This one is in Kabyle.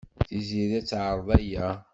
Tiziri ad teɛreḍ aya.